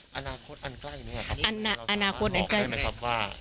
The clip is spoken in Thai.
ค่ะใบอนาคตอนาคตอันใกล้แม่ครับอนาอนาคตอันใกล้ออกได้ไหมครับว่า